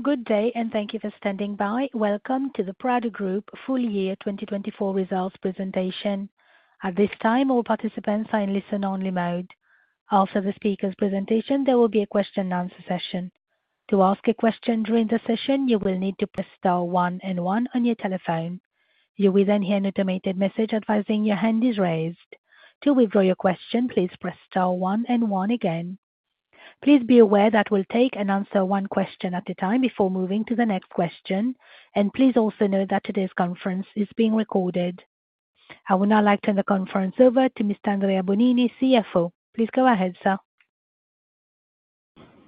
Good day, and thank you for standing by. Welcome to the Prada Group Full Year 2024 Results Presentation. At this time, all participants are in listen-only mode. After the speaker's presentation, there will be a question-and-answer session. To ask a question during the session, you will need to press star one and one on your telephone. You will then hear an automated message advising your hand is raised. To withdraw your question, please press star one and one again. Please be aware that we'll take and answer one question at a time before moving to the next question, and please also know that today's conference is being recorded. I would now like to turn the conference over to Mr. Andrea Bonini, CFO. Please go ahead, sir.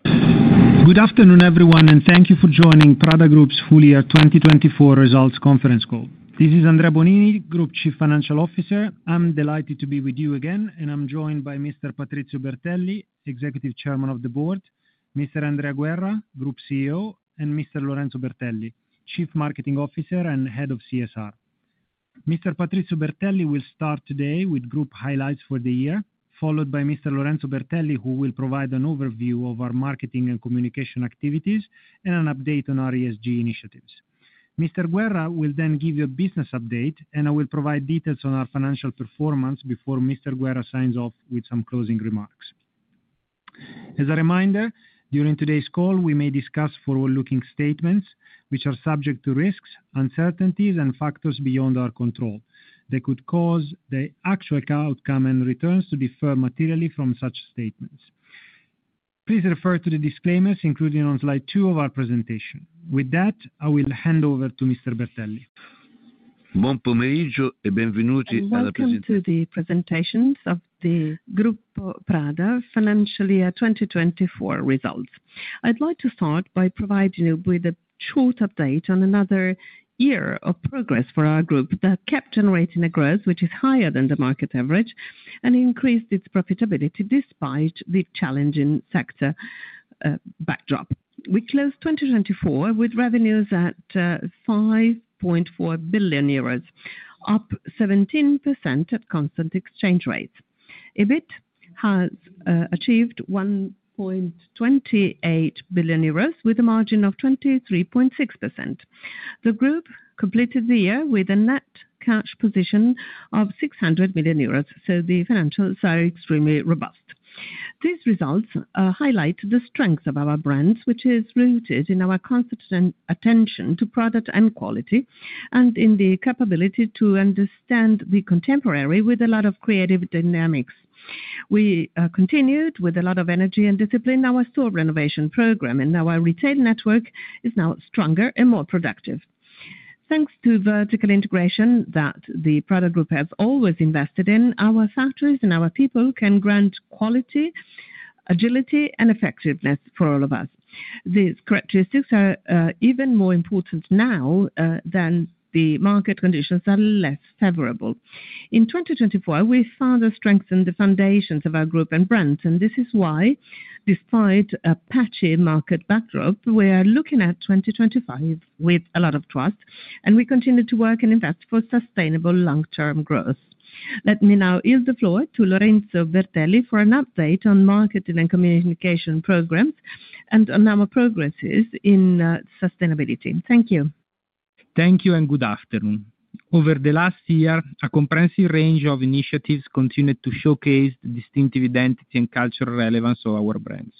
Good afternoon, everyone, and thank you for joining Prada Group's Full Year 2024 Results Conference Call. This is Andrea Bonini, Group Chief Financial Officer. I'm delighted to be with you again, and I'm joined by Mr. Patrizio Bertelli, Executive Chairman of the Board, Mr. Andrea Guerra, Group CEO, and Mr. Lorenzo Bertelli, Chief Marketing Officer and Head of CSR. Mr. Patrizio Bertelli will start today with Group Highlights for the Year, followed by Mr. Lorenzo Bertelli, who will provide an overview of our marketing and communication activities and an update on our ESG initiatives. Mr. Guerra will then give you a business update, and I will provide details on our financial performance before Mr. Guerra signs off with some closing remarks. As a reminder, during today's call, we may discuss forward-looking statements, which are subject to risks, uncertainties, and factors beyond our control that could cause the actual outcome and returns to differ materially from such statements. Please refer to the disclaimers included on slide two of our presentation. With that, I will hand over to Mr. Bertelli. [unintelligible] Welcome to the presentations of the Prada Group Financial Year 2024 Results. I'd like to start by providing you with a short update on another year of progress for our group that kept generating a growth which is higher than the market average and increased its profitability despite the challenging sector backdrop. We closed 2024 with revenues at 5.4 billion euros, up 17% at constant exchange rates. EBIT has achieved 1.28 billion euros with a margin of 23.6%. The group completed the year with a net cash position of 600 million euros, so the financials are extremely robust. These results highlight the strengths of our brands, which is rooted in our constant attention to product and quality and in the capability to understand the contemporary with a lot of creative dynamics. We continued with a lot of energy and discipline. Our store renovation program and our retail network is now stronger and more productive. Thanks to vertical integration that the Prada Group has always invested in, our factories and our people can grant quality, agility, and effectiveness for all of us. These characteristics are even more important now than the market conditions that are less favorable. In 2024, we further strengthened the foundations of our group and brand, and this is why, despite a patchy market backdrop, we are looking at 2025 with a lot of trust, and we continue to work and invest for sustainable long-term growth. Let me now yield the floor to Lorenzo Bertelli for an update on marketing and communication programs and on our progresses in sustainability. Thank you. Thank you and good afternoon. Over the last year, a comprehensive range of initiatives continued to showcase the distinctive identity and cultural relevance of our brands.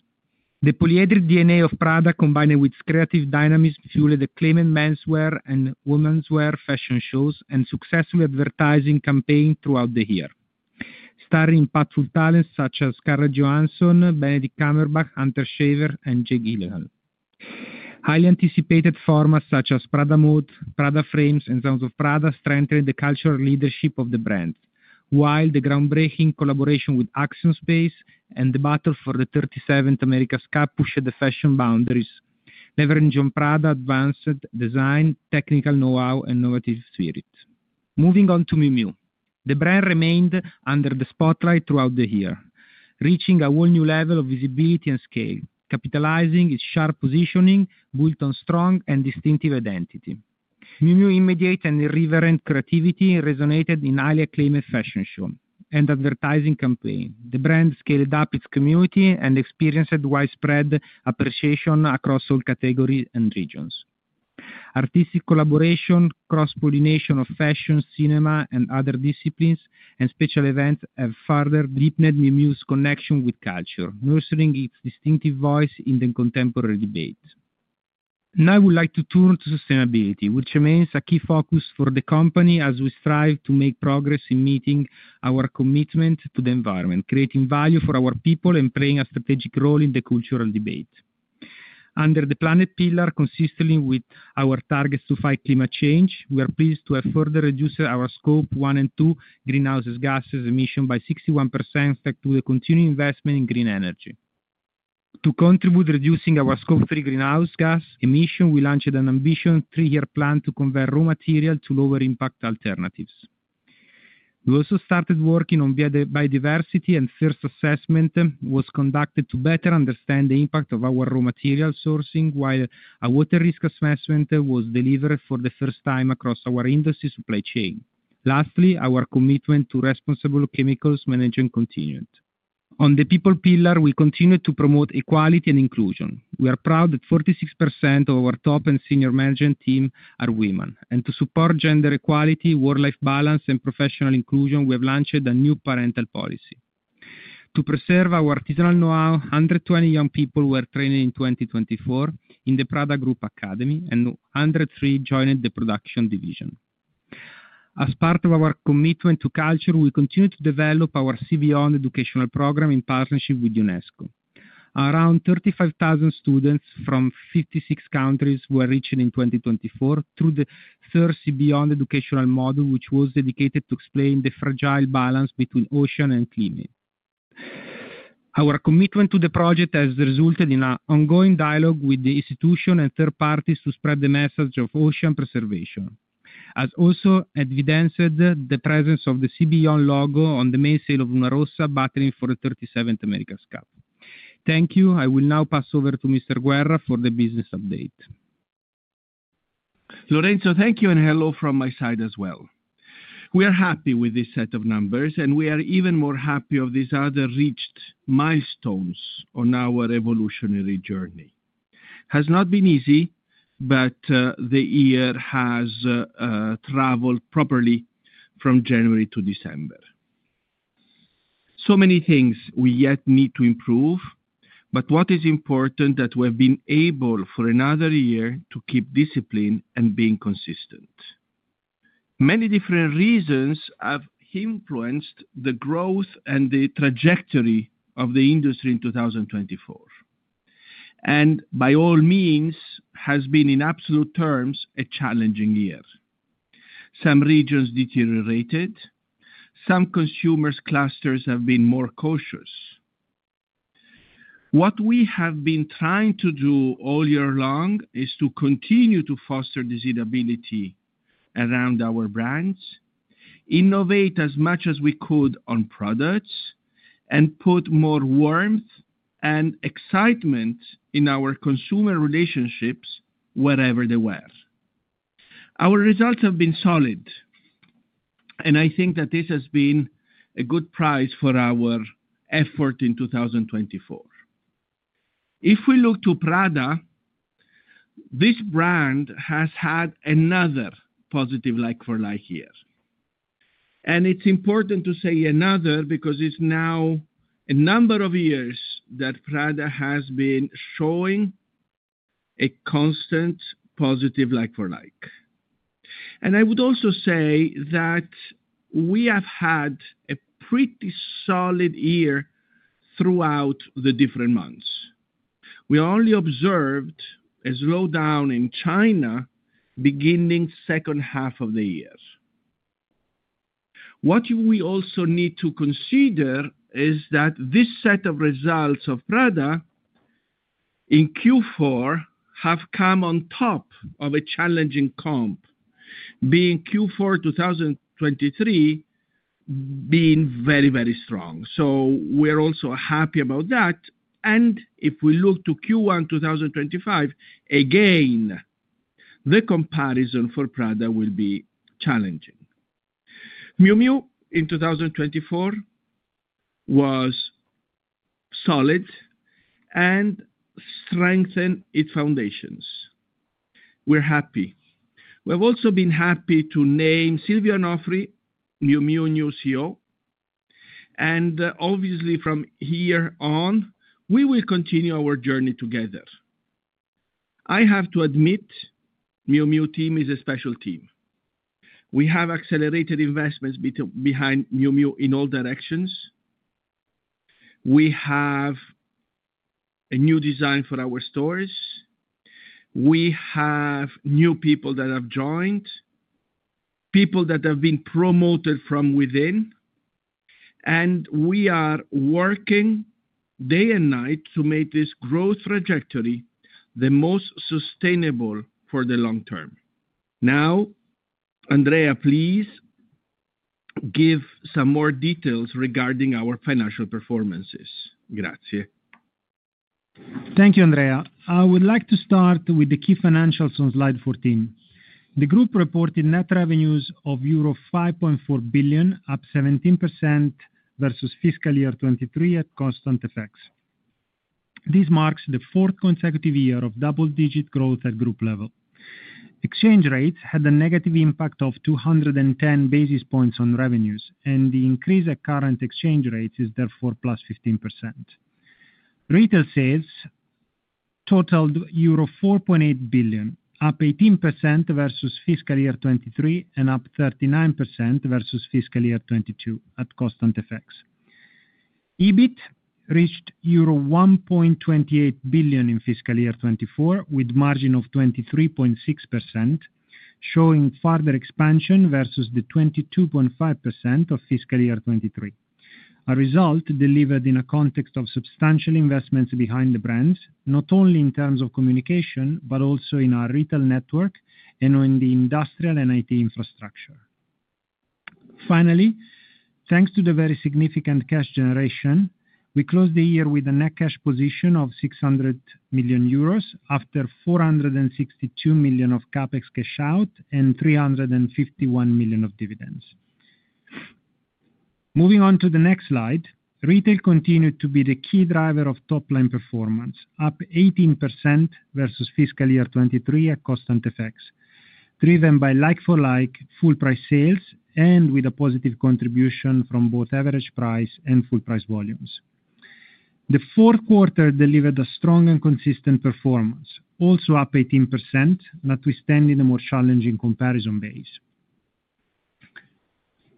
The polyhedral DNA of Prada, combined with creative dynamics, fueled the claim in Menswear and Womenswear fashion shows and successful advertising campaigns throughout the year, starring impactful talents such as Scarlett Johansson, Benedict Cumberbatch, Hunter Schafer, and Jake Gyllenhaal. Highly anticipated formats such as Prada Mode, Prada Frames, and Sounds of Prada strengthened the cultural leadership of the brands, while the groundbreaking collaboration with Axiom Space and the battle for the 37th America's Cup pushed the fashion boundaries, leveraging Prada's advanced design, technical know-how, and innovative spirit. Moving on to Miu Miu, the brand remained under the spotlight throughout the year, reaching a whole new level of visibility and scale, capitalizing its sharp positioning, built on strong and distinctive identity. Miu Miu's immediate and irreverent creativity resonated in highly acclaimed fashion shows and advertising campaigns. The brand scaled up its community and experienced widespread appreciation across all categories and regions. Artistic collaboration, cross-pollination of fashion, cinema, and other disciplines, and special events have further deepened Miu Miu's connection with culture, nurturing its distinctive voice in the contemporary debate. Now, I would like to turn to sustainability, which remains a key focus for the company as we strive to make progress in meeting our commitment to the environment, creating value for our people, and playing a strategic role in the cultural debate. Under the planet pillar, consistently with our targets to fight climate change, we are pleased to have further reduced our Scope 1 and 2 greenhouse gas emissions by 61% thanks to the continued investment in green energy. To contribute to reducing our Scope 3 greenhouse gas emissions, we launched an ambitious three-year plan to convert raw material to lower-impact alternatives. We also started working on biodiversity, and a first assessment was conducted to better understand the impact of our raw material sourcing, while a water risk assessment was delivered for the first time across our industry supply chain. Lastly, our commitment to responsible chemicals management continued. On the People pillar, we continue to promote equality and inclusion. We are proud that 46% of our top and senior management team are women, and to support gender equality, work-life balance, and professional inclusion, we have launched a new parental policy. To preserve our artisanal know-how, 120 young people were trained in 2024 in the Prada Group Academy, and 103 joined the production division. As part of our commitment to culture, we continue to develop our SEA BEYOND educational program in partnership with UNESCO. Around 35,000 students from 56 countries were reached in 2024 through the third SEA BEYOND educational module, which was dedicated to explaining the fragile balance between ocean and climate. Our commitment to the project has resulted in an ongoing dialogue with the institution and third parties to spread the message of ocean preservation, as also evidenced by the presence of the SEA BEYOND logo on the mainsail of Luna Rossa, battling for the 37th America's Cup. Thank you. I will now pass over to Mr. Guerra for the business update. Lorenzo, thank you, and hello from my side as well. We are happy with this set of numbers, and we are even more happy with these other reached milestones on our evolutionary journey. It has not been easy, but the year has traveled properly from January to December. So many things we yet need to improve, but what is important is that we have been able for another year to keep discipline and be consistent. Many different reasons have influenced the growth and the trajectory of the industry in 2024, and by all means, it has been, in absolute terms, a challenging year. Some regions deteriorated. Some consumer clusters have been more cautious. What we have been trying to do all year long is to continue to foster desirability around our brands, innovate as much as we could on products, and put more warmth and excitement in our consumer relationships wherever they were. Our results have been solid, and I think that this has been a good price for our effort in 2024. If we look to Prada, this brand has had another positive like-for-like year. It's important to say another because it's now a number of years that Prada has been showing a constant positive like-for-like. I would also say that we have had a pretty solid year throughout the different months. We only observed a slowdown in China beginning the second half of the year. What we also need to consider is that this set of results of Prada in Q4 have come on top of a challenging comp, being Q4 2023 very, very strong. So we are also happy about that. And if we look to Q1 2025, again, the comparison for Prada will be challenging. Miu Miu in 2024 was solid and strengthened its foundations. We're happy. We have also been happy to name Silvia Onofri, Miu Miu's new CEO. And obviously, from here on, we will continue our journey together. I have to admit, the Miu Miu team is a special team. We have accelerated investments behind Miu Miu in all directions. We have a new design for our stores. We have new people that have joined, people that have been promoted from within. We are working day and night to make this growth trajectory the most sustainable for the long term. Now, Andrea, please give some more details regarding our financial performances. Grazie. Thank you, Andrea. I would like to start with the key financials on slide 14. The group reported net revenues of euro 5.4 billion, up 17% versus fiscal year 2023 at constant effects. This marks the fourth consecutive year of double-digit growth at group level. Exchange rates had a negative impact of 210 basis points on revenues, and the increase at current exchange rates is therefore plus 15%. Retail sales totaled euro 4.8 billion, up 18% versus fiscal year 2023 and up 39% versus fiscal year 2022 at constant effects. EBIT reached euro 1.28 billion in fiscal year 2024 with a margin of 23.6%, showing further expansion versus the 22.5% of fiscal year 2023, a result delivered in a context of substantial investments behind the brands, not only in terms of communication, but also in our retail network and on the industrial and IT infrastructure. Finally, thanks to the very significant cash generation, we closed the year with a net cash position of 600 million euros after 462 million of CapEx cashed out and 351 million of dividends. Moving on to the next slide, retail continued to be the key driver of top-line performance, up 18% versus fiscal year 2023 at constant effects, driven by like-for-like full-price sales and with a positive contribution from both average price and full-price volumes. The Q4 delivered a strong and consistent performance, also up 18%, notwithstanding the more challenging comparison base.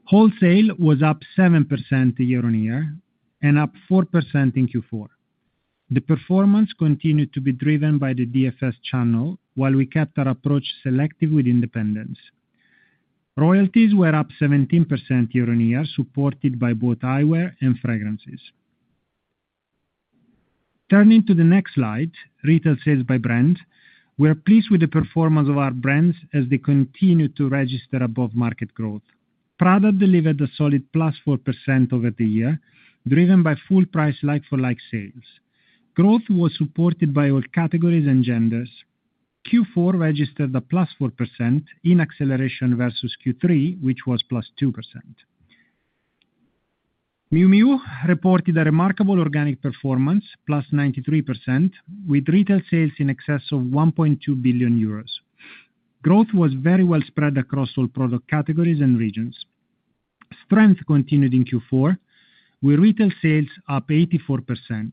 Wholesale was up 7% year on year and up 4% in Q4. The performance continued to be driven by the DFS channel, while we kept our approach selective with independents. Royalties were up 17% year on year, supported by both eyewear and fragrances. Turning to the next slide, retail sales by brand, we are pleased with the performance of our brands as they continue to register above market growth. Prada delivered a solid plus 4% over the year, driven by full-price like-for-like sales. Growth was supported by all categories and genders. Q4 registered a plus 4% in acceleration versus Q3, which was plus 2%. Miu Miu reported a remarkable organic performance, plus 93%, with retail sales in excess of 1.2 billion euros. Growth was very well spread across all product categories and regions. Strength continued in Q4, with retail sales up 84%.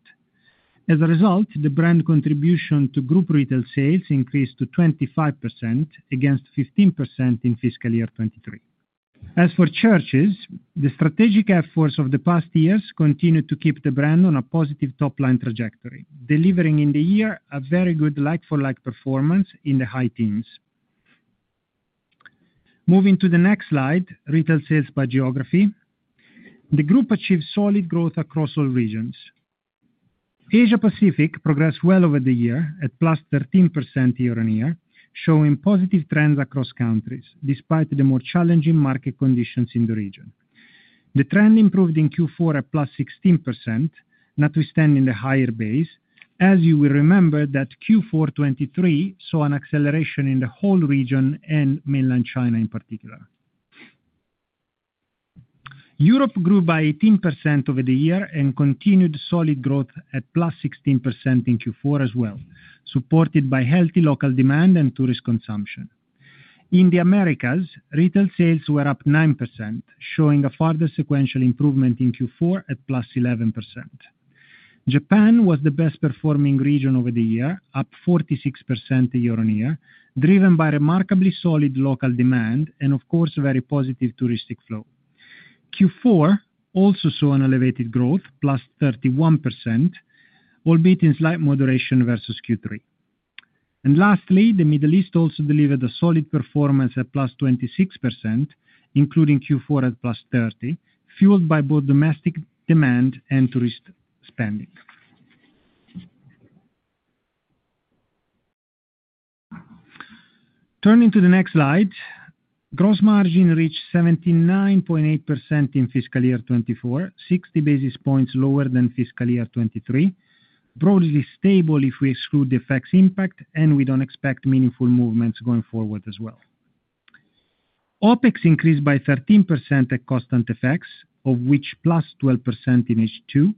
As a result, the brand contribution to group retail sales increased to 25% against 15% in fiscal year 2023. As for Church's, the strategic efforts of the past years continued to keep the brand on a positive top-line trajectory, delivering in the year a very good like-for-like performance in the high teens. Moving to the next slide, retail sales by geography. The group achieved solid growth across all regions. Asia-Pacific progressed well over the year at plus 13% year on year, showing positive trends across countries despite the more challenging market conditions in the region. The trend improved in Q4 at plus 16%, notwithstanding the higher base, as you will remember that Q4 2023 saw an acceleration in the whole region and Mainland China in particular. Europe grew by 18% over the year and continued solid growth at plus 16% in Q4 as well, supported by healthy local demand and tourist consumption. In the Americas, retail sales were up 9%, showing a further sequential improvement in Q4 at plus 11%. Japan was the best-performing region over the year, up 46% year on year, driven by remarkably solid local demand and, of course, very positive touristic flow. Q4 also saw an elevated growth, plus 31%, albeit in slight moderation versus Q3. And lastly, the Middle East also delivered a solid performance at plus 26%, including Q4 at plus 30, fueled by both domestic demand and tourist spending. Turning to the next slide, gross margin reached 79.8% in fiscal year 2024, 60 basis points lower than fiscal year 2023, broadly stable if we exclude the FX impact, and we don't expect meaningful movements going forward as well. OPEX increased by 13% at constant effects, of which plus 12% in H2,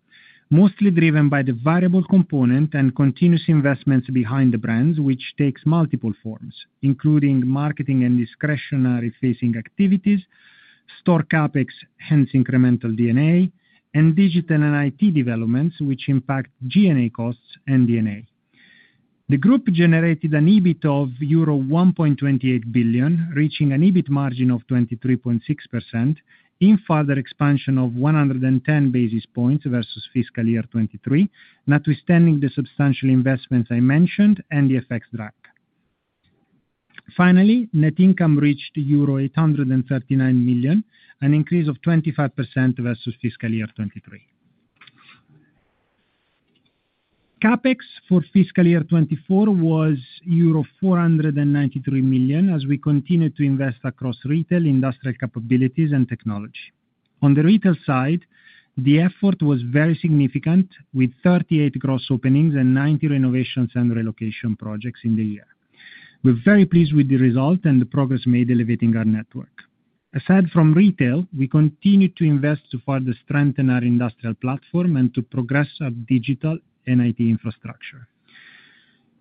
mostly driven by the variable component and continuous investments behind the brands, which takes multiple forms, including marketing and discretionary facing activities, store CapEx, hence incremental D&A, and digital and IT developments, which impact G&A costs and D&A. The group generated an EBIT of euro 1.28 billion, reaching an EBIT margin of 23.6% in further expansion of 110 basis points versus fiscal year 2023, notwithstanding the substantial investments I mentioned and the effects drag. Finally, net income reached euro 839 million, an increase of 25% versus fiscal year 2023. CapEx for fiscal year 2024 was euro 493 million, as we continued to invest across retail, industrial capabilities, and technology. On the retail side, the effort was very significant, with 38 gross openings and 90 renovations and relocation projects in the year. We're very pleased with the result and the progress made elevating our network. Aside from retail, we continue to invest to further strengthen our industrial platform and to progress our digital and IT infrastructure.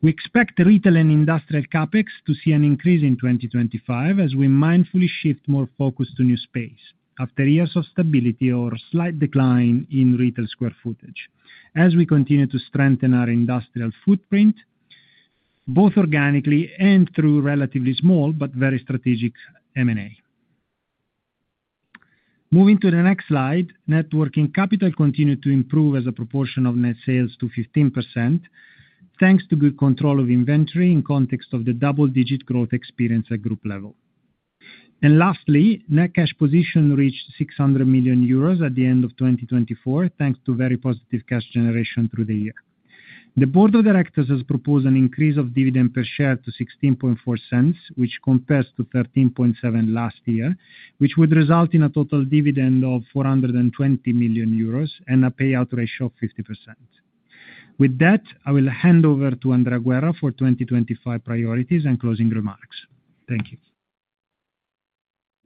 We expect retail and industrial CapEx to see an increase in 2025 as we mindfully shift more focus to new space after years of stability or slight decline in retail square footage, as we continue to strengthen our industrial footprint, both organically and through relatively small but very strategic M&A. Moving to the next slide, net working capital continued to improve as a proportion of net sales to 15%, thanks to good control of inventory in context of the double-digit growth experienced at group level. Lastly, net cash position reached 600 million euros at the end of 2024, thanks to very positive cash generation through the year. The board of directors has proposed an increase of dividend per share to 0.164, which compares to 0.137 last year, which would result in a total dividend of 420 million euros and a payout ratio of 50%. With that, I will hand over to Andrea Guerra for 2025 priorities and closing remarks. Thank you.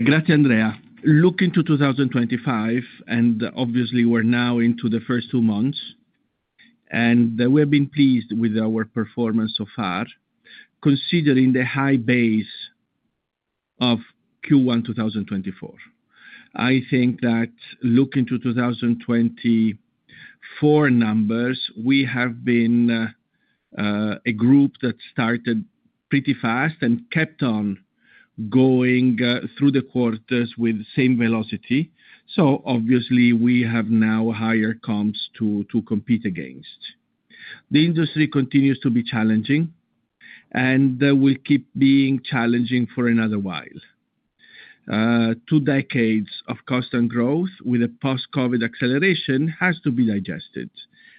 Grazie, Andrea. Looking to 2025, and obviously, we're now into the first two months, and we have been pleased with our performance so far, considering the high base of Q1 2024. I think that looking to 2024 numbers, we have been a group that started pretty fast and kept on going through the quarters with the same velocity. So obviously, we have now higher comps to compete against. The industry continues to be challenging, and will keep being challenging for another while. Two decades of constant growth with a post-COVID acceleration has to be digested.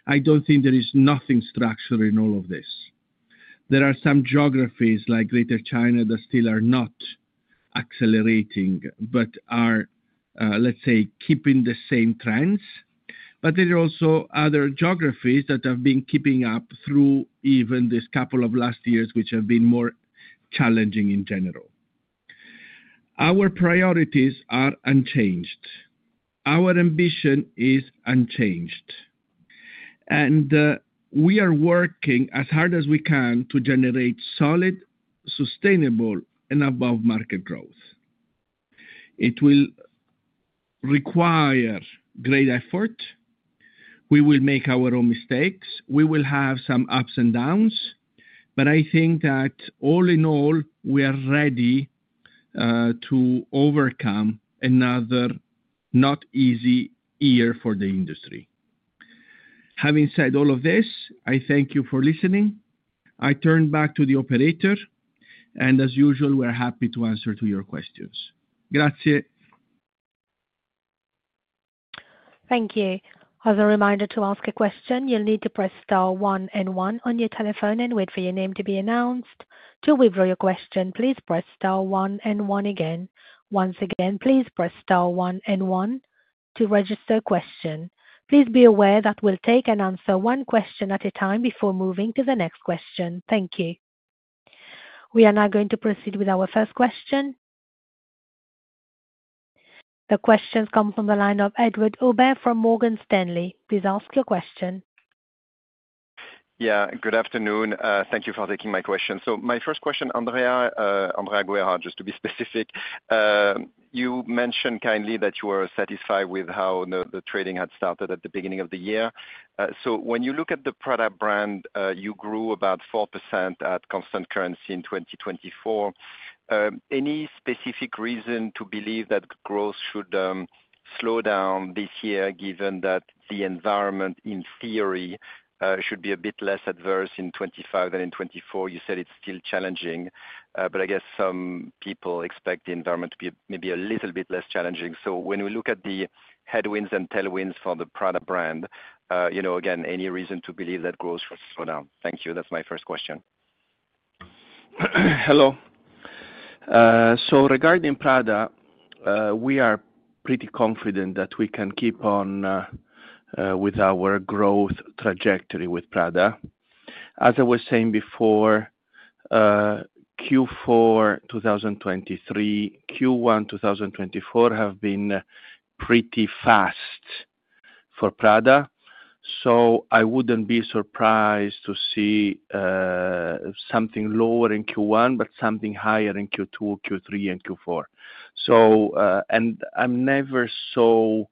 I don't think there is nothing structural in all of this. There are some geographies like Greater China that still are not accelerating but are, let's say, keeping the same trends. But there are also other geographies that have been keeping up through even this couple of last years, which have been more challenging in general. Our priorities are unchanged. Our ambition is unchanged. And we are working as hard as we can to generate solid, sustainable, and above-market growth. It will require great effort. We will make our own mistakes. We will have some ups and downs. But I think that all in all, we are ready to overcome another not easy year for the industry. Having said all of this, I thank you for listening. I turn back to the operator, and as usual, we're happy to answer your questions. Grazie. Thank you. As a reminder to ask a question, you'll need to press star one and one on your telephone and wait for your name to be announced. To withdraw your question, please press star one and one again. Once again, please press star one and one to register a question. Please be aware that we'll take and answer one question at a time before moving to the next question. Thank you. We are now going to proceed with our first question. The question comes from the line of Edouard Aubin from Morgan Stanley. Please ask your question. Yeah, good afternoon. Thank you for taking my question. So my first question, Andrea Guerra, just to be specific, you mentioned kindly that you were satisfied with how the trading had started at the beginning of the year. So when you look at the Prada brand, you grew about 4% at constant currency in 2024. Any specific reason to believe that growth should slow down this year, given that the environment, in theory, should be a bit less adverse in 2025 than in 2024? You said it's still challenging, but I guess some people expect the environment to be maybe a little bit less challenging. So when we look at the headwinds and tailwinds for the Prada brand, again, any reason to believe that growth should slow down? Thank you. That's my first question. Hello. So regarding Prada, we are pretty confident that we can keep on with our growth trajectory with Prada. As I was saying before, Q4 2023, Q1 2024 have been pretty fast for Prada. So I wouldn't be surprised to see something lower in Q1, but something higher in Q2, Q3, and Q4. And I'm never so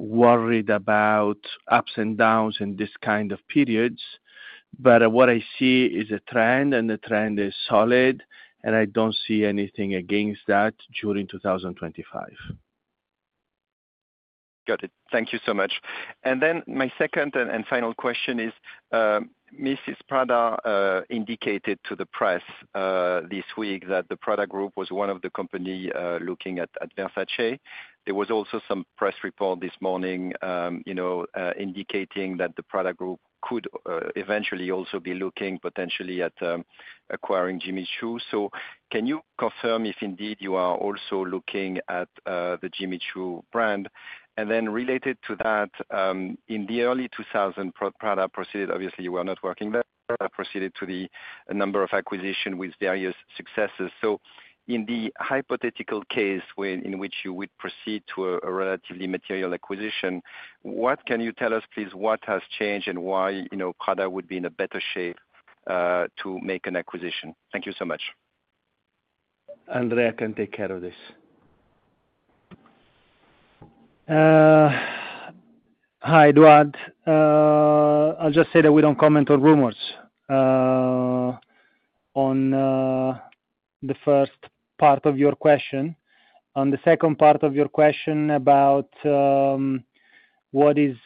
worried about ups and downs in this kind of periods. But what I see is a trend, and the trend is solid, and I don't see anything against that during 2025. Got it. Thank you so much. And then my second and final question is, Mrs. Prada indicated to the press this week that the Prada Group was one of the companies looking at Versace. There was also some press report this morning indicating that the Prada Group could eventually also be looking potentially at acquiring Jimmy Choo. So can you confirm if indeed you are also looking at the Jimmy Choo brand? And then related to that, in the early 2000, Prada proceeded, obviously, you were not working there. Prada proceeded to a number of acquisitions with various successes. So in the hypothetical case in which you would proceed to a relatively material acquisition, what can you tell us, please, what has changed and why Prada would be in a better shape to make an acquisition? Thank you so much. Andrea can take care of this. Hi, Edouard. I'll just say that we don't comment on rumors on the first part of your question. On the second part of your question about what is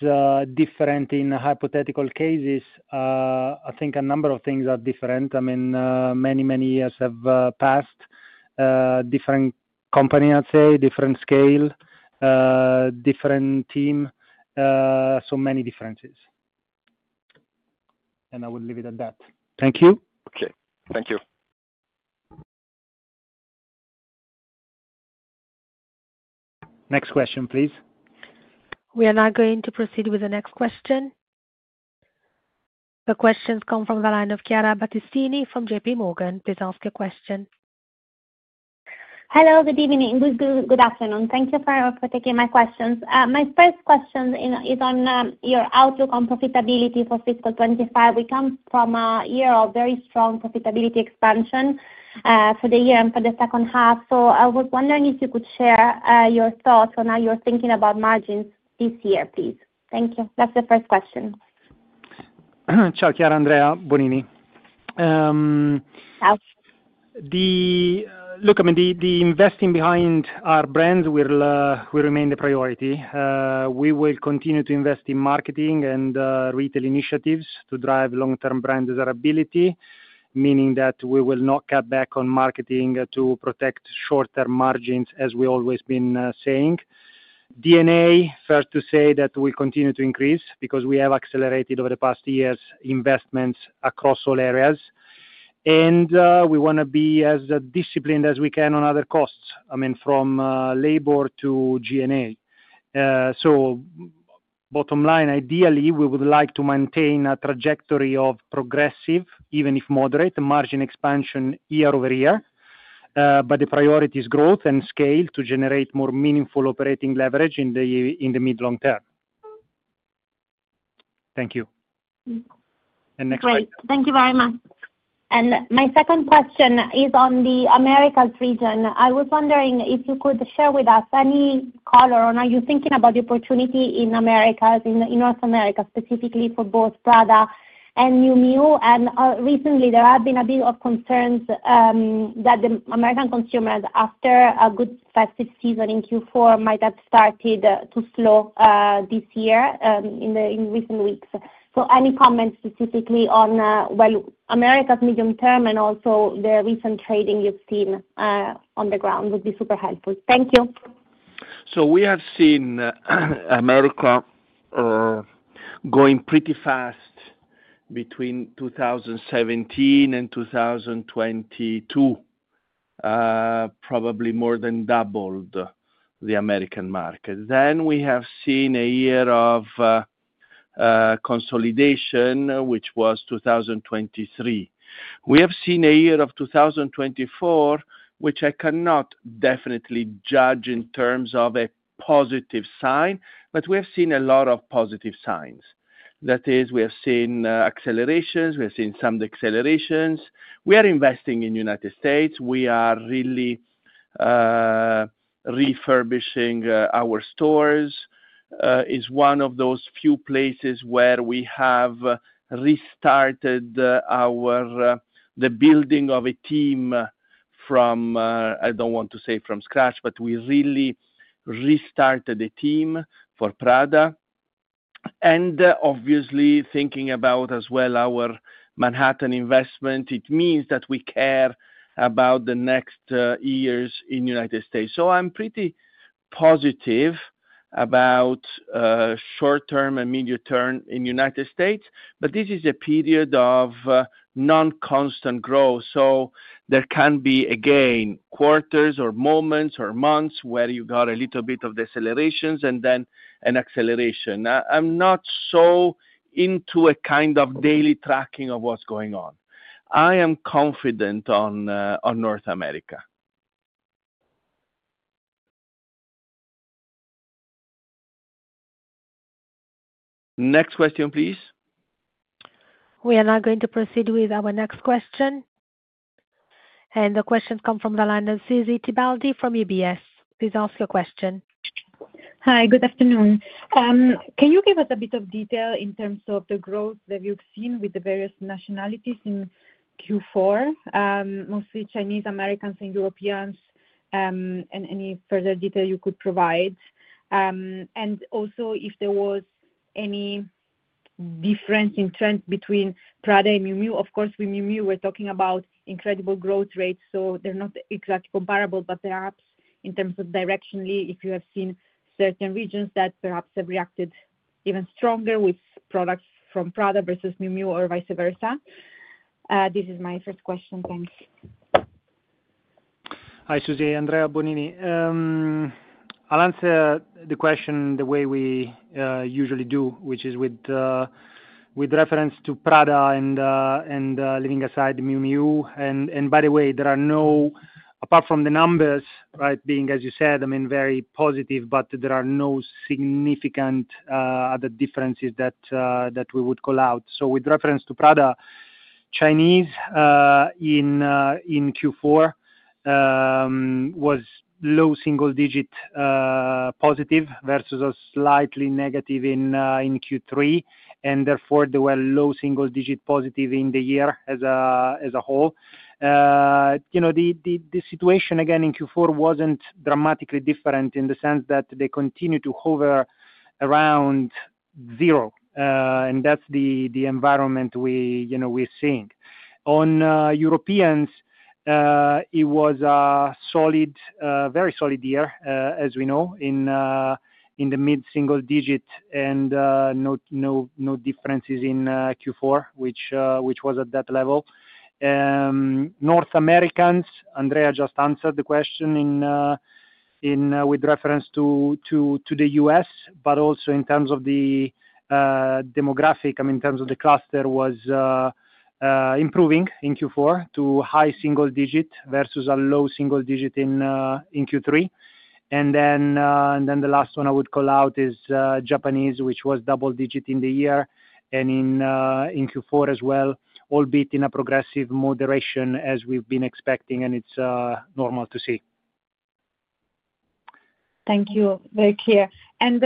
different in hypothetical cases, I think a number of things are different. I mean, many, many years have passed, different company, I'd say, different scale, different team, so many differences, and I will leave it at that. Thank you. Okay. Thank you. Next question, please. We are now going to proceed with the next question. The questions come from the line of Chiara Battistini from JP Morgan. Please ask your question. Hello, good evening. Good afternoon. Thank you for taking my questions. My first question is on your outlook on profitability for fiscal 2025. We come from a year of very strong profitability expansion for the year and for the second half. So I was wondering if you could share your thoughts on how you're thinking about margins this year, please. Thank you. That's the first question. Ciao, Chiara. Andrea Bonini. Ciao. Look, I mean, the investing behind our brands will remain the priority. We will continue to invest in marketing and retail initiatives to drive long-term brand desirability, meaning that we will not cut back on marketing to protect short-term margins, as we've always been saying. And the first to say that we'll continue to increase because we have accelerated over the past years investments across all areas, and we want to be as disciplined as we can on other costs, I mean, from labor to G&A, so bottom line, ideally, we would like to maintain a trajectory of progressive, even if moderate, margin expansion year over year, but the priority is growth and scale to generate more meaningful operating leverage in the mid-long term. Thank you, and next question. Great. Thank you very much. And my second question is on the Americas region. I was wondering if you could share with us any color on are you thinking about the opportunity in Americas, in North America specifically for both Prada and Miu Miu? And recently, there have been a bit of concerns that the American consumers, after a good festive season in Q4, might have started to slow this year in recent weeks. So any comments specifically on America's medium term and also the recent trading you've seen on the ground would be super helpful. Thank you. We have seen America going pretty fast between 2017 and 2022, probably more than doubled the American market. Then we have seen a year of consolidation, which was 2023. We have seen a year of 2024, which I cannot definitely judge in terms of a positive sign, but we have seen a lot of positive signs. That is, we have seen accelerations. We have seen some decelerations. We are investing in the United States. We are really refurbishing our stores. It's one of those few places where we have restarted the building of a team from, I don't want to say from scratch, but we really restarted a team for Prada. And obviously, thinking about as well our Manhattan investment, it means that we care about the next years in the United States. I'm pretty positive about short-term and medium-term in the United States. But this is a period of non-constant growth. So there can be, again, quarters or moments or months where you got a little bit of decelerations and then an acceleration. I'm not so into a kind of daily tracking of what's going on. I am confident on North America. Next question, please. We are now going to proceed with our next question. And the questions come from the line of Susy Tibaldi from UBS. Please ask your question. Hi, good afternoon. Can you give us a bit of detail in terms of the growth that you've seen with the various nationalities in Q4, mostly Chinese, Americans, and Europeans, and any further detail you could provide? And also, if there was any difference in trends between Prada and Miu Miu? Of course, with Miu Miu, we're talking about incredible growth rates. So they're not exactly comparable, but perhaps in terms of directionally, if you have seen certain regions that perhaps have reacted even stronger with products from Prada versus Miu Miu or vice versa. This is my first question. Thanks. Hi, Susy. Andrea Bonini. I'll answer the question the way we usually do, which is with reference to Prada and leaving aside Miu Miu. And by the way, there are no, apart from the numbers, right, being, as you said, I mean, very positive, but there are no significant other differences that we would call out. So with reference to Prada, Chinese in Q4 was low single-digit positive versus a slightly negative in Q3. And therefore, there were low single-digit positive in the year as a whole. The situation, again, in Q4 wasn't dramatically different in the sense that they continued to hover around zero. And that's the environment we're seeing. On Europeans, it was a solid, very solid year, as we know, in the mid-single digit and no differences in Q4, which was at that level. North America, Andrea just answered the question with reference to the US, but also in terms of the demographic, I mean, in terms of the customer was improving in Q4 to high single-digit versus a low single-digit in Q3, and then the last one I would call out is Japan, which was double-digit in the year and in Q4 as well, albeit in a progressive moderation as we've been expecting, and it's normal to see. Thank you. Very clear. And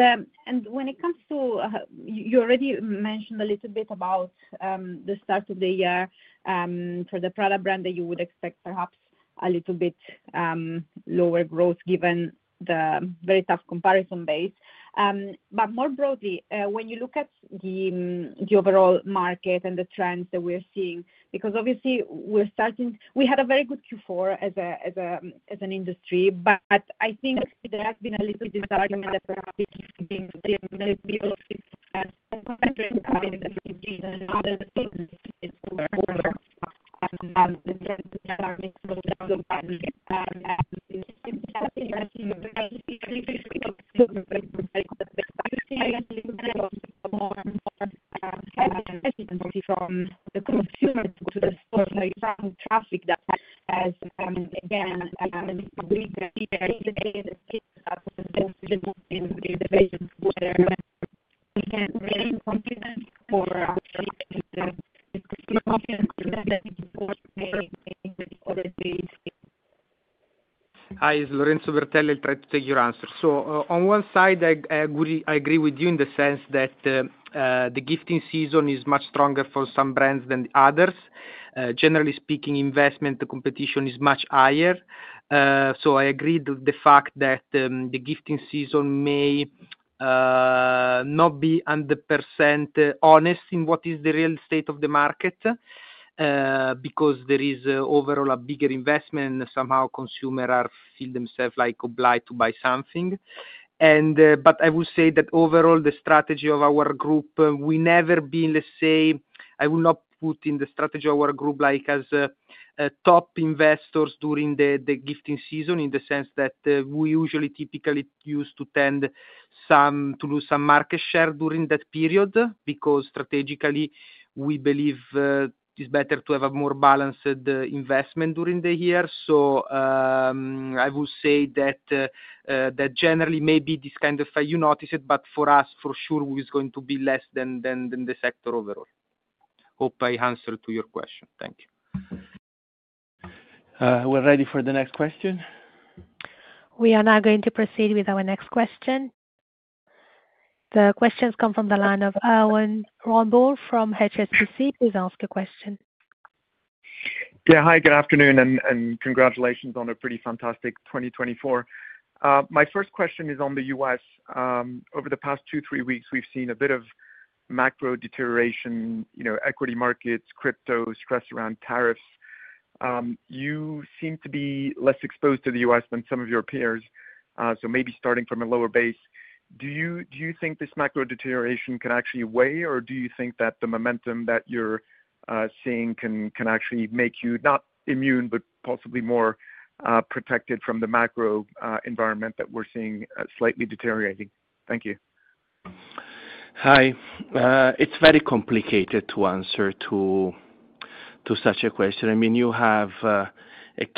when it comes to you already mentioned a little bit about the start of the year for the Prada brand that you would expect perhaps a little bit lower growth given the very tough comparison base. But more broadly, when you look at the overall market and the trends that we are seeing, because obviously, we had a very good Q4 as an industry, but I think there has been a little disagreement............. Hi, it's Lorenzo Bertelli. I'll try to take your answer. So on one side, I agree with you in the sense that the gifting season is much stronger for some brands than others. Generally speaking, investment competition is much higher. So I agree with the fact that the gifting season may not be 100% honest in what is the real state of the market because there is overall a bigger investment, and somehow consumers feel themselves obliged to buy something. But I will say that overall, the strategy of our group, we never been, let's say, I will not put in the strategy of our group as top investors during the gifting season in the sense that we usually typically used to tend to lose some market share during that period because strategically, we believe it's better to have a more balanced investment during the year. So, I will say that generally, maybe this kind of, you notice it, but for us, for sure, it's going to be less than the sector overall. Hope I answered your question. Thank you. We're ready for the next question. We are now going to proceed with our next question. The questions come from the line of Erwan Rambourg from HSBC. Please ask your question. Yeah. Hi, good afternoon, and congratulations on a pretty fantastic 2024. My first question is on the U.S. Over the past two, three weeks, we've seen a bit of macro deterioration, equity markets, crypto, stress around tariffs. You seem to be less exposed to the U.S. than some of your peers, so maybe starting from a lower base. Do you think this macro deterioration can actually weigh, or do you think that the momentum that you're seeing can actually make you not immune, but possibly more protected from the macro environment that we're seeing slightly deteriorating? Thank you. Hi. It's very complicated to answer to such a question. I mean, you have a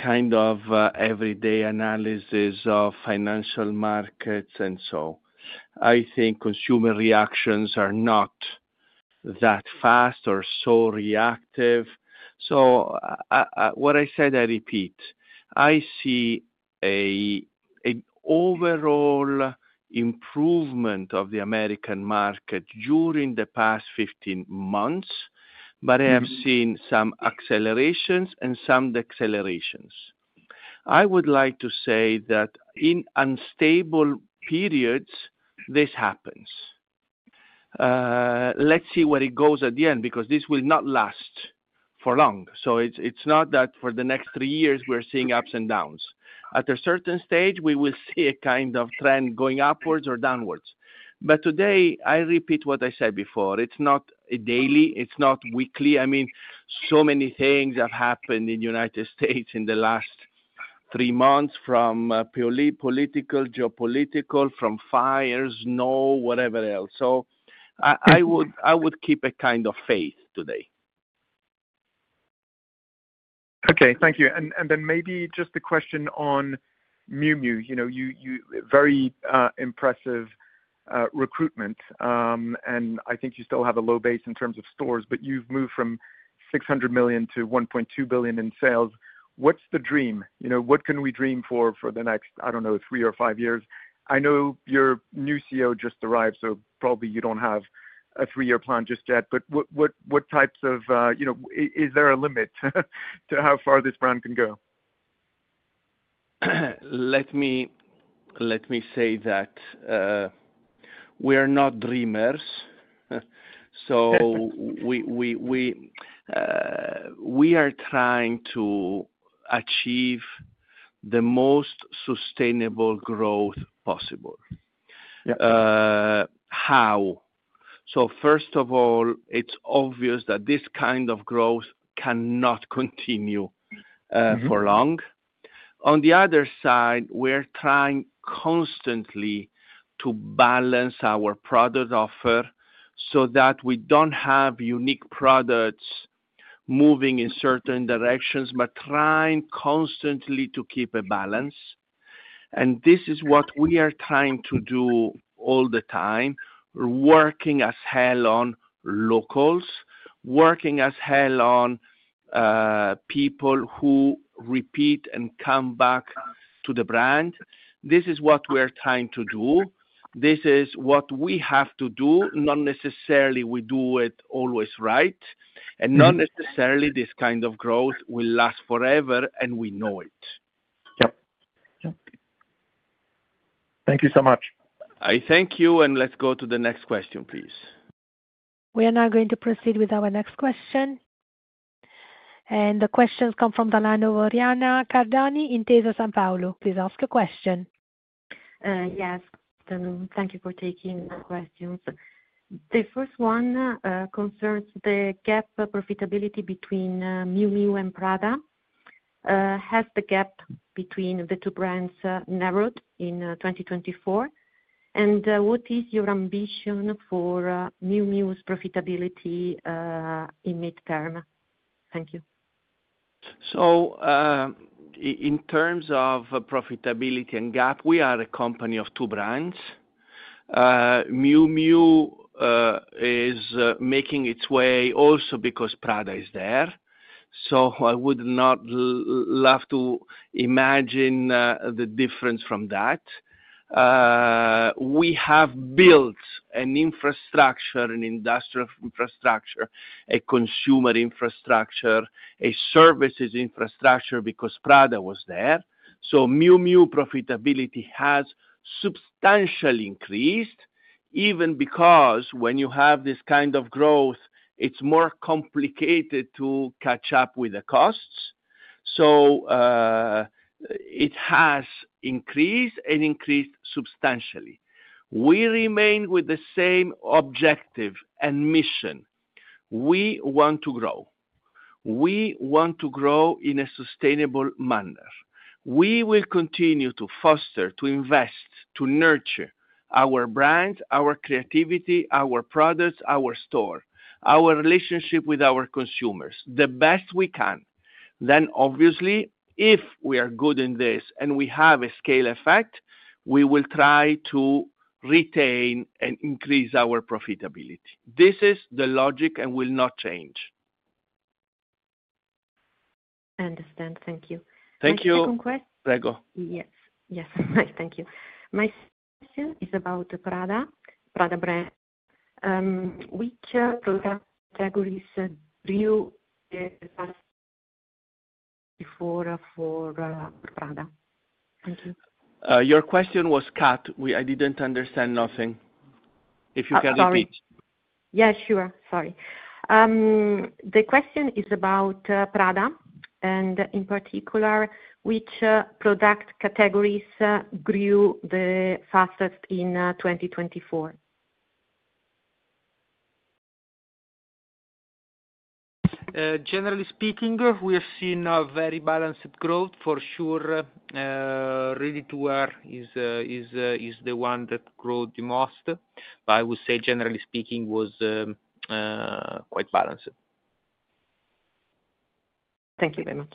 kind of everyday analysis of financial markets, and so I think consumer reactions are not that fast or so reactive. So what I said, I repeat. I see an overall improvement of the American market during the past 15 months, but I have seen some accelerations and some decelerations. I would like to say that in unstable periods, this happens. Let's see where it goes at the end because this will not last for long. So it's not that for the next three years, we're seeing ups and downs. At a certain stage, we will see a kind of trend going upwards or downwards. But today, I repeat what I said before. It's not daily. It's not weekly. I mean, so many things have happened in the United States in the last three months from political, geopolitical, from fires, snow, whatever else. So I would keep a kind of faith today. Okay. Thank you. And then maybe just the question on Miu Miu. Very impressive recruitment. And I think you still have a low base in terms of stores, but you've moved from 600 million to 1.2 billion in sales. What's the dream? What can we dream for the next, I don't know, three or five years? I know your new CEO just arrived, so probably you don't have a three-year plan just yet. But what types of is there a limit to how far this brand can go? Let me say that we are not dreamers. So we are trying to achieve the most sustainable growth possible. How? So first of all, it's obvious that this kind of growth cannot continue for long. On the other side, we're trying constantly to balance our product offer so that we don't have unique products moving in certain directions, but trying constantly to keep a balance. And this is what we are trying to do all the time, working as hell on locals, working as hell on people who repeat and come back to the brand. This is what we're trying to do. This is what we have to do. Not necessarily we do it always right. And not necessarily this kind of growth will last forever, and we know it. Yep. Thank you so much. I thank you, and let's go to the next question, please. We are now going to proceed with our next question. The questions come from the line of Oriana Cardani, Intesa Sanpaolo. Please ask a question. Yes. Thank you for taking the questions. The first one concerns the gap profitability between Miu Miu and Prada. Has the gap between the two brands narrowed in 2024? And what is your ambition for Miu Miu's profitability in midterm? Thank you. So in terms of profitability and gap, we are a company of two brands. Miu Miu is making its way also because Prada is there. So I would not love to imagine the difference from that. We have built an infrastructure, an industrial infrastructure, a consumer infrastructure, a services infrastructure because Prada was there. So Miu Miu profitability has substantially increased even because when you have this kind of growth, it's more complicated to catch up with the costs. So it has increased and increased substantially. We remain with the same objective and mission. We want to grow. We want to grow in a sustainable manner. We will continue to foster, to invest, to nurture our brands, our creativity, our products, our store, our relationship with our consumers the best we can. Then, obviously, if we are good in this and we have a scale effect, we will try to retain and increase our profitability. This is the logic and will not change. I understand. Thank you. Thank you. Any second question? Prego. Yes. Yes. Thank you. My question is about Prada, Prada brand. Which categories do you have for Prada? Thank you. Your question was cut. I didn't understand nothing. If you can repeat. Yeah, sure. Sorry. The question is about Prada and, in particular, which product categories grew the fastest in 2024? Generally speaking, we have seen a very balanced growth. For sure, Ready-to-wear is the one that grows the most. But I would say, generally speaking, was quite balanced. Thank you very much.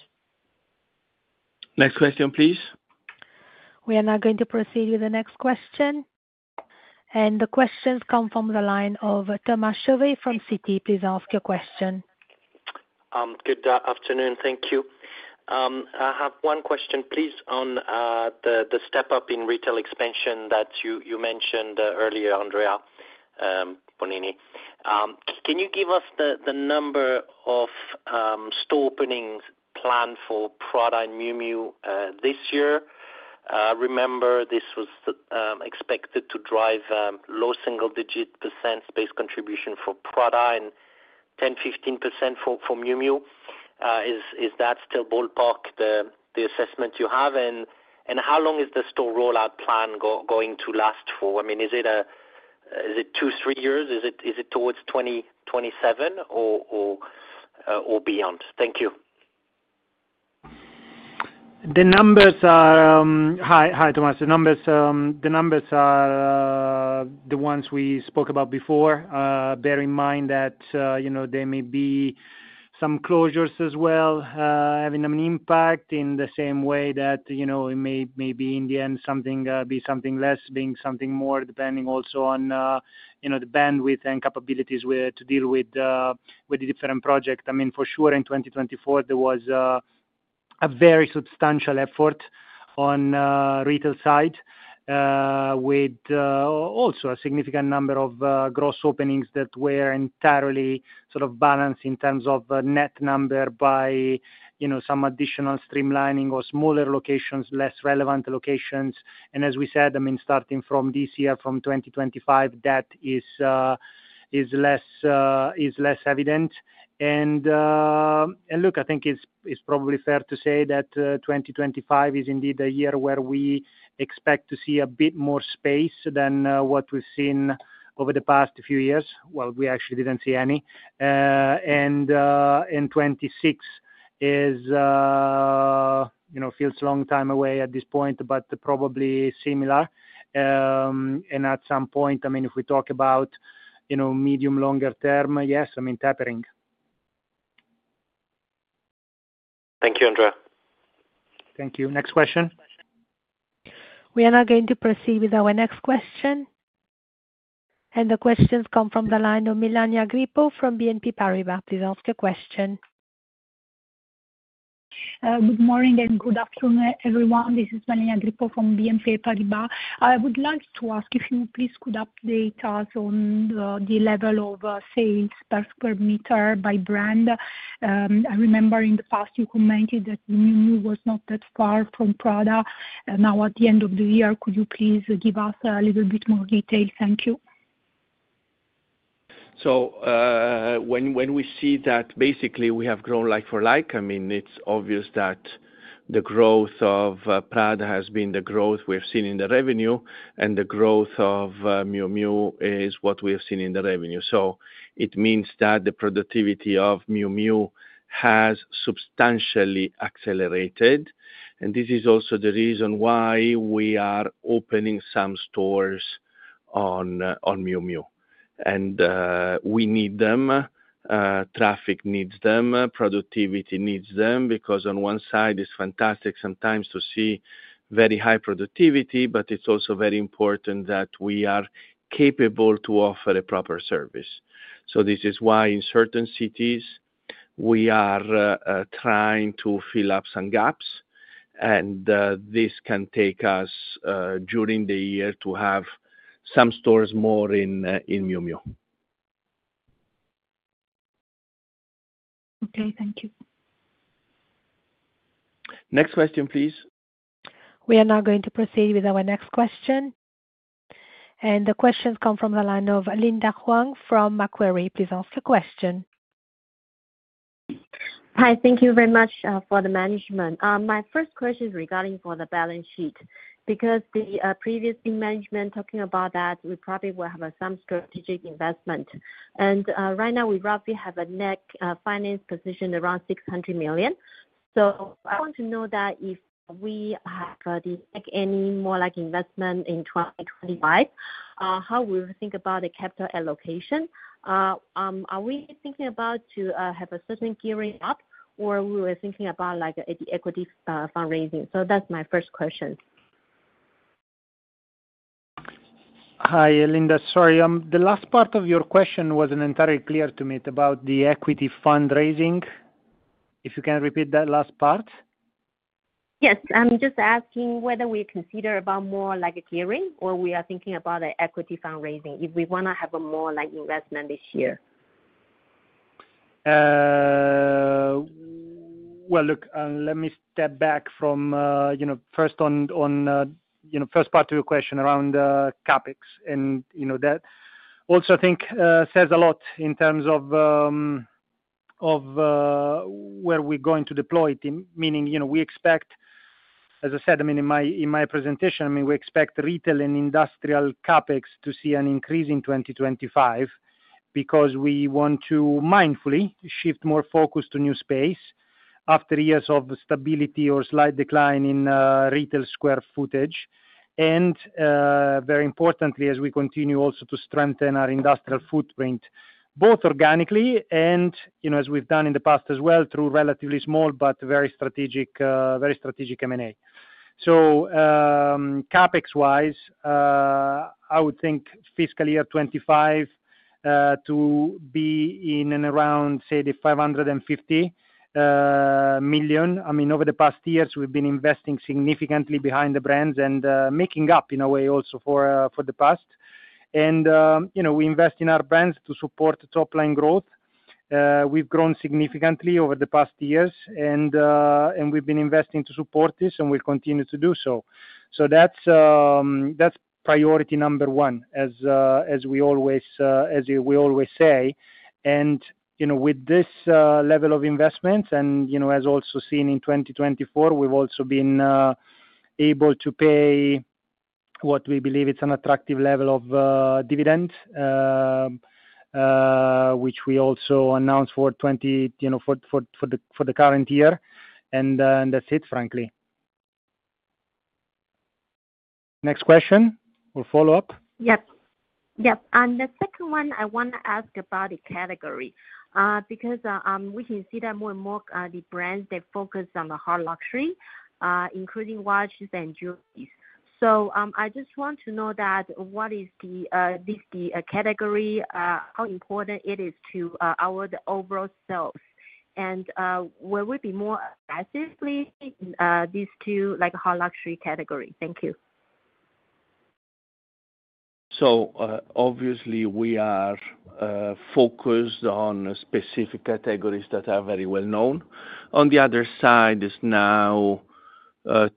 Next question, please. We are now going to proceed with the next question. And the questions come from the line of Thomas Chauvet from Citi. Please ask your question. Good afternoon. Thank you. I have one question, please, on the step-up in retail expansion that you mentioned earlier, Andrea Bonini. Can you give us the number of store openings planned for Prada and Miu Miu this year? Remember, this was expected to drive low single-digit % space contribution for Prada and 10-15% for Miu Miu. Is that still ballpark the assessment you have? And how long is the store rollout plan going to last for? I mean, is it two, three years? Is it towards 2027 or beyond? Thank you. Hi, Thomas. The numbers are the ones we spoke about before. Bear in mind that there may be some closures as well, having an impact in the same way that it may be in the end, something be something less, being something more, depending also on the bandwidth and capabilities to deal with the different projects. I mean, for sure, in 2024, there was a very substantial effort on the retail side with also a significant number of gross openings that were entirely sort of balanced in terms of net number by some additional streamlining or smaller locations, less relevant locations. As we said, I mean, starting from this year, from 2025, that is less evident. Look, I think it's probably fair to say that 2025 is indeed a year where we expect to see a bit more space than what we've seen over the past few years. We actually didn't see any. 26 feels a long time away at this point, but probably similar. At some point, I mean, if we talk about medium-longer term, yes, I mean, tapering. Thank you, Andrea. Thank you. Next question. We are now going to proceed with our next question. And the questions come from the line of Melania Grippo from BNP Paribas. Please ask a question. Good morning and good afternoon, everyone. This is Melania Grippo from BNP Paribas. I would like to ask if you please could update us on the level of sales per square meter by brand. I remember in the past, you commented that Miu Miu was not that far from Prada. Now, at the end of the year, could you please give us a little bit more detail? Thank you. So when we see that basically we have grown like for like, I mean, it's obvious that the growth of Prada has been the growth we've seen in the revenue, and the growth of Miu Miu is what we have seen in the revenue. So it means that the productivity of Miu Miu has substantially accelerated. And this is also the reason why we are opening some stores on Miu Miu. And we need them. Traffic needs them. Productivity needs them because on one side, it's fantastic sometimes to see very high productivity, but it's also very important that we are capable to offer a proper service. So this is why in certain cities, we are trying to fill up some gaps. And this can take us during the year to have some stores more in Miu Miu. Okay. Thank you. Next question, please. We are now going to proceed with our next question. And the questions come from the line of Linda Huang from Macquarie. Please ask a question. Hi. Thank you very much to the management. My first question is regarding the balance sheet because the previous management talking about that, we probably will have some strategic investment, and right now we roughly have a net cash position around 600 million, so I want to know that if we have any more investment in 2025, how we will think about the capital allocation. Are we thinking about to have a certain gearing up, or we were thinking about the equity fundraising? So that's my first question. Hi, Linda. Sorry. The last part of your question wasn't entirely clear to me about the equity fundraising. If you can repeat that last part. Yes. I'm just asking whether we consider about more gearing or we are thinking about the equity fundraising if we want to have more investment this year? Look, let me step back from first on first part of your question around CapEx. And that also I think says a lot in terms of where we're going to deploy it, meaning we expect, as I said, I mean, in my presentation, I mean, we expect retail and industrial CapEx to see an increase in 2025 because we want to mindfully shift more focus to new space after years of stability or slight decline in retail square footage. And very importantly, as we continue also to strengthen our industrial footprint, both organically and as we've done in the past as well through relatively small but very strategic M&A. So CapEx-wise, I would think fiscal year 2025 to be in and around, say, 550 million. I mean, over the past years, we've been investing significantly behind the brands and making up in a way also for the past. And we invest in our brands to support top-line growth. We've grown significantly over the past years, and we've been investing to support this and will continue to do so. So that's priority number one, as we always say. And with this level of investments and as also seen in 2024, we've also been able to pay what we believe is an attractive level of dividends, which we also announced for the current year. And that's it, frankly. Next question or follow-up? Yep. Yep, and the second one, I want to ask about the category because we can see that more and more the brands, they focus on the hard luxury, including watches and jewelry. So I just want to know that what is the category, how important it is to our overall sales, and will we be more aggressive with these two hard luxury categories? Thank you. So obviously, we are focused on specific categories that are very well known. On the other side, it's now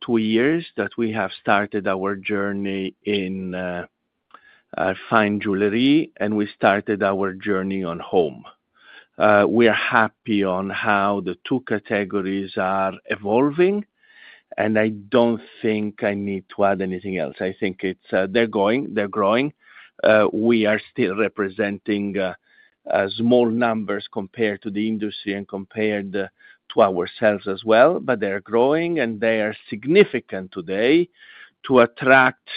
two years that we have started our journey in fine jewelry, and we started our journey on home. We are happy on how the two categories are evolving, and I don't think I need to add anything else. I think they're going, they're growing. We are still representing small numbers compared to the industry and compared to ourselves as well, but they're growing and they are significant today to attract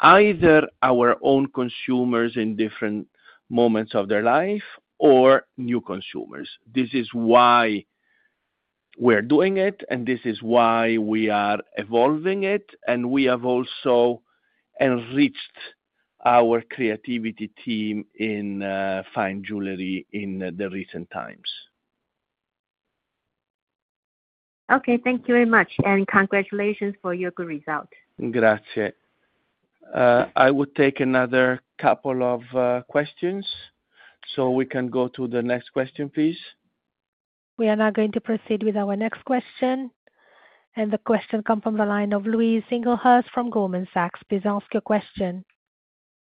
either our own consumers in different moments of their life or new consumers. This is why we're doing it, and this is why we are evolving it, and we have also enriched our creativity team in fine jewelry in the recent times. Okay. Thank you very much. And congratulations for your good result. Grazie. I would take another couple of questions so we can go to the next question, please. We are now going to proceed with our next question, and the question comes from the line of Louise Singlehurst from Goldman Sachs. Please ask your question.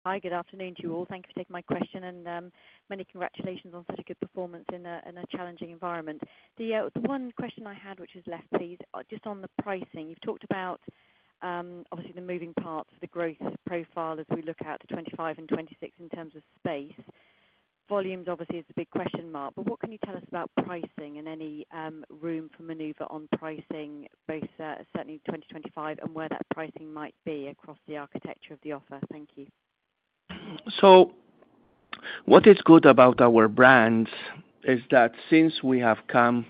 Hi. Good afternoon to you all. Thank you for taking my question. And many congratulations on such a good performance in a challenging environment. The one question I had, which was left, please, just on the pricing. You've talked about, obviously, the moving parts, the growth profile as we look at 2025 and 2026 in terms of space. Volumes, obviously, is a big question mark. But what can you tell us about pricing and any room for maneuver on pricing, both certainly 2025 and where that pricing might be across the architecture of the offer? Thank you. So what is good about our brands is that since we have come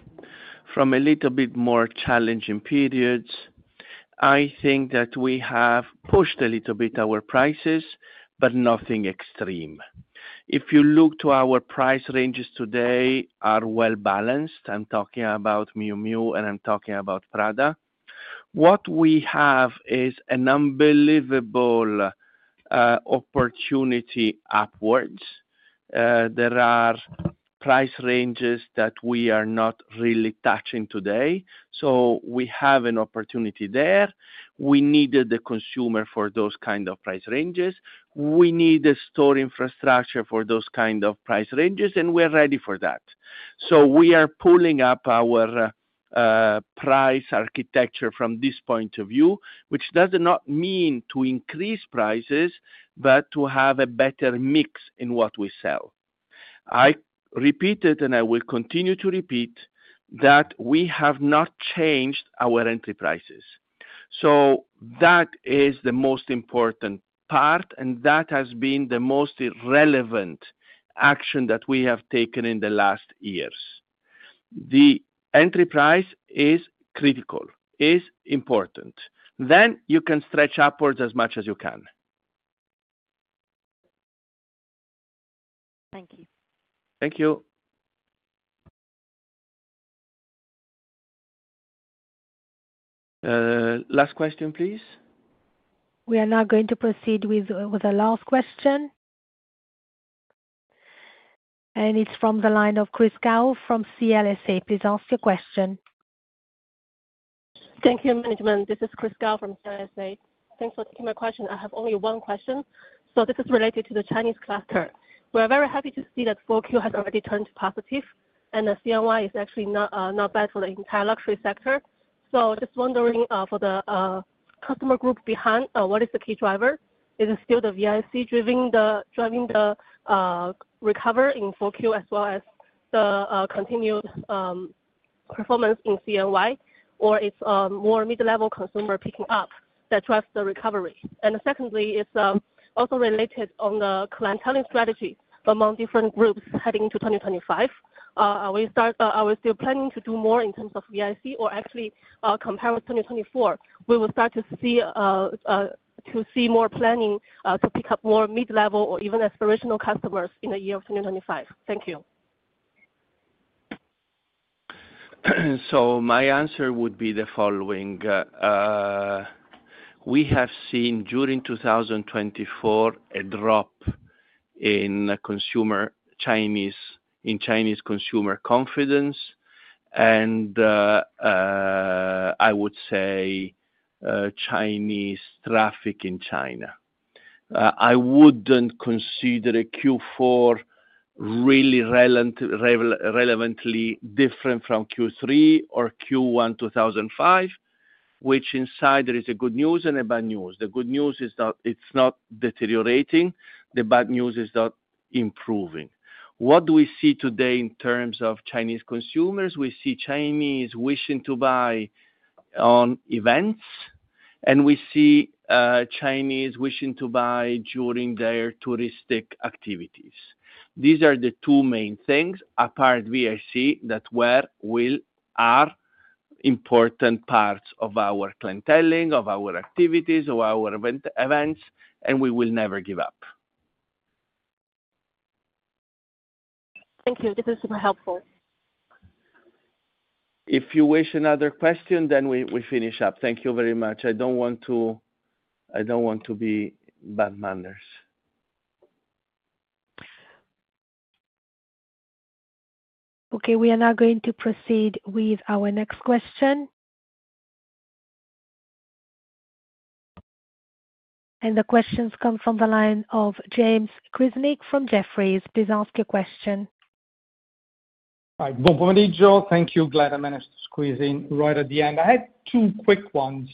from a little bit more challenging periods, I think that we have pushed a little bit our prices, but nothing extreme. If you look to our price ranges today, they are well balanced. I'm talking about Miu Miu, and I'm talking about Prada. What we have is an unbelievable opportunity upwards. There are price ranges that we are not really touching today. So we have an opportunity there. We needed the consumer for those kinds of price ranges. We need a store infrastructure for those kinds of price ranges, and we're ready for that. So we are pulling up our price architecture from this point of view, which does not mean to increase prices, but to have a better mix in what we sell. I repeated, and I will continue to repeat that we have not changed our enterprises. So that is the most important part, and that has been the most relevant action that we have taken in the last years. The enterprise is critical, is important. Then you can stretch upwards as much as you can. Thank you. Thank you. Last question, please. We are now going to proceed with the last question, and it's from the line of Chris Gao from CLSA. Please ask your question. Thank you, Management. This is Chris Gao from CLSA. Thanks for taking my question. I have only one question, so this is related to the Chinese cluster. We are very happy to see that 4Q has already turned positive, and the CNY is actually not bad for the entire luxury sector, so just wondering for the customer group behind, what is the key driver? Is it still the VIC driving the recovery in 4Q as well as the continued performance in CNY, or it's more mid-level consumer picking up that drives the recovery? And secondly, it's also related on the clientele strategy among different groups heading into 2025. Are we still planning to do more in terms of VIC, or actually compare with 2024? We will start to see more planning to pick up more mid-level or even aspirational customers in the year of 2025. Thank you. My answer would be the following. We have seen during 2024 a drop in Chinese consumer confidence, and I would say Chinese traffic in China. I wouldn't consider Q4 really relevantly different from Q3 or Q1 2024, which is that there is good news and bad news. The good news is it's not deteriorating. The bad news is not improving. What do we see today in terms of Chinese consumers? We see Chinese wishing to buy on events, and we see Chinese wishing to buy during their touristic activities. These are the two main things apart from VIC that are important parts of our clienteling, of our activities, of our events, and we will never give up. Thank you. This is super helpful. If you wish another question, then we finish up. Thank you very much. I don't want to be bad manners. Okay. We are now going to proceed with our next question. And the questions come from the line of James Grzinic from Jefferies. Please ask your question. Hi. Good afternoon. Thank you. Glad I managed to squeeze in right at the end. I had two quick ones,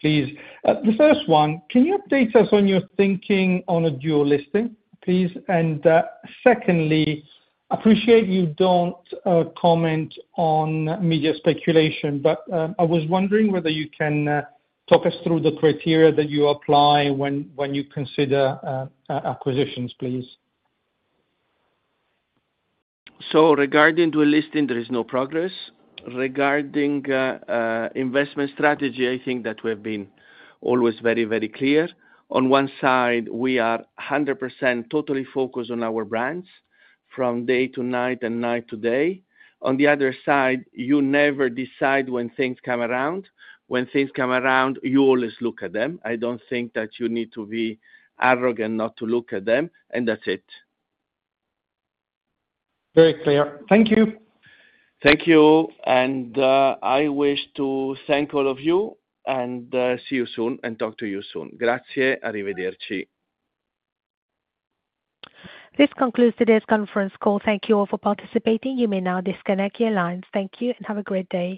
please. The first one, can you update us on your thinking on a dual listing, please? And secondly, I appreciate you don't comment on media speculation, but I was wondering whether you can talk us through the criteria that you apply when you consider acquisitions, please. So, regarding dual listing, there is no progress. Regarding investment strategy, I think that we have been always very, very clear. On one side, we are 100% totally focused on our brands from day to night and night to day. On the other side, you never decide when things come around. When things come around, you always look at them. I don't think that you need to be arrogant not to look at them, and that's it. Very clear. Thank you. Thank you and I wish to thank all of you and see you soon and talk to you soon. Grazie. Arrivederci. This concludes today's conference call. Thank you all for participating. You may now disconnect your lines. Thank you and have a great day.